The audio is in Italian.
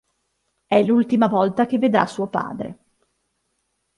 È l'ultima volta che vedrà suo padre.